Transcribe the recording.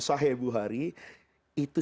sahih abu hari itu